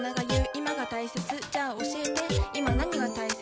『今が大切』じゃあおしえて『今、何が大切』？